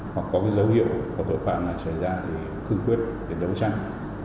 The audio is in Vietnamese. hoặc có cái dấu hiệu của tội phạm xảy ra thì cưng quyết để đấu tranh